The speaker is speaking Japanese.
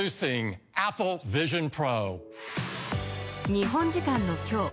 日本時間の今日